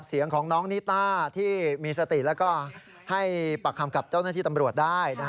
เสียงของน้องนิต้าที่มีสติแล้วก็ให้ปากคำกับเจ้าหน้าที่ตำรวจได้